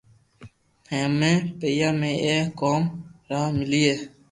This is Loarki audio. ھيم پيئا بي اي ڪوم را ملئي